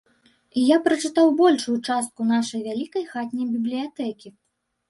І я прачытаў большую частку нашай вялікай хатняй бібліятэкі.